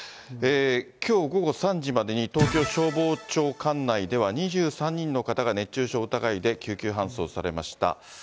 きょう午後３時までに東京消防庁管内では２３人の方が熱中症疑いで救急搬送されました。